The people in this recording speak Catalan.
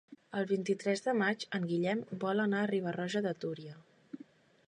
El vint-i-tres de maig en Guillem vol anar a Riba-roja de Túria.